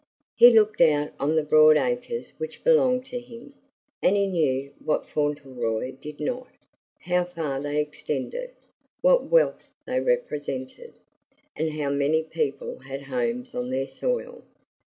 He looked out on the broad acres which belonged to him, and he knew what Fauntleroy did not how far they extended, what wealth they represented, and how many people had homes on their soil.